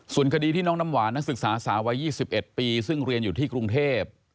ส่วนคดีที่น้องน้ำหวานนักศึกษาสาววัย๒๑ปีซึ่งเรียนอยู่ที่กรุงเทพ